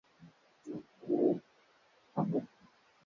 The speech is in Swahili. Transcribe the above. Mama eko na haki ya ku beba vitu kipande kama bwa anakufwa